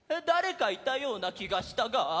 だれかいたようなきがしたが。